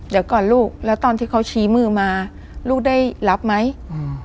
เดี๋ยวก่อนลูกแล้วตอนที่เขาชี้มือมาลูกได้รับไหมอืม